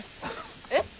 えっ？